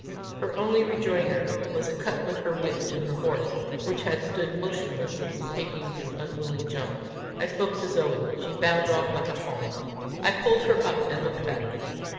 Her only rejoinder was a cut with her whip to her horse, which had stood motionless since taking his unwilling jump. I spoke to Zoe; she bounded off like a fawn. I pulled her up, and looked back.